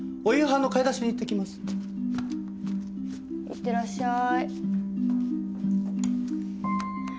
いってらっしゃい。